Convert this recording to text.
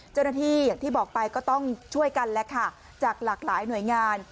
เจ้าหน้าที่อย่างที่บอกไปก็ต้องช่วยกันแล้วจากหลากหลายหน่วยงาน